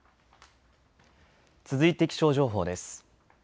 続いて気象情報です。